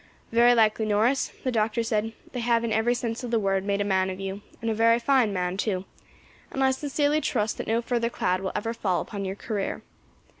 "Very likely, Norris," the doctor said; "they have in every sense of the word made a man of you, and a very fine man too, and I sincerely trust that no further cloud will ever fall upon your career.